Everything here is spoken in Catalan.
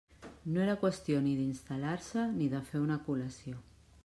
No era qüestió ni d'instal·lar-se ni de fer una col·lació.